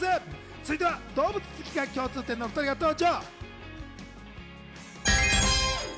続いては動物好きが共通点のお２人が登場。